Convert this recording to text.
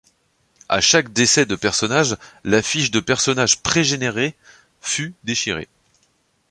À chaque décès de personnage, la fiche de personnage pré-généré fût déchirée.